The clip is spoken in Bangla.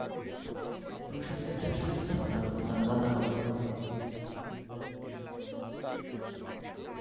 প্রসেনজিতের সঞ্চালনা কতটা আলাদা হবে?